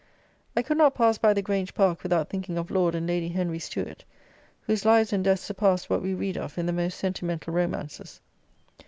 I could not pass by the Grange Park without thinking of Lord and Lady Henry Stuart, whose lives and deaths surpassed what we read of in the most sentimental romances.